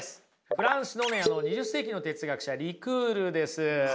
フランスの２０世紀の哲学者リクールです。